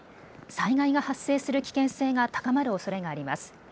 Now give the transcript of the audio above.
災害が発生する危険性が高まるおそれがあります。